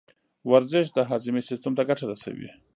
ورزش د هاضمې سیستم ته ګټه رسوي.